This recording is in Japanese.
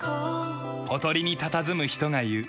ほとりにたたずむ人が言う。